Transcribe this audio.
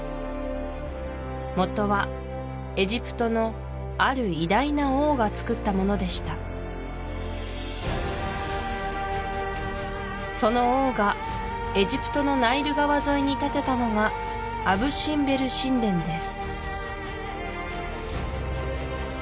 元はエジプトのある偉大な王がつくったものでしたその王がエジプトのナイル川沿いに建てたのがアブ・シンベル神殿です